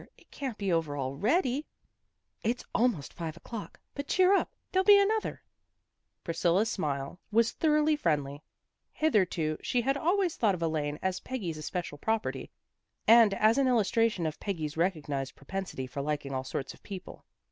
It can't be over already." " It's almost five o'clock. But cheer up! There'll be another." Priscilla's smile was 24: THE GIRLS OF FRIENDLY TERRACE thoroughly friendly. Hitherto she had always thought of Elaine as Peggy's especial property, and as an illustration of Peggy's recognized propensity for liking all sorts of people.